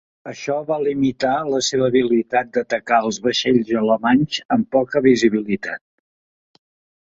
Això va limitar la seva habilitat d'atacar els vaixells alemanys amb poca visibilitat.